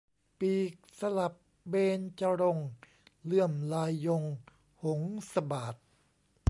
ปีกสลับเบญจรงค์ เลื่อมลายยง หงสบาท